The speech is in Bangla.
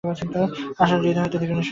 আশার হৃদয় হইতে দীর্ঘনিশ্বাস পড়িল।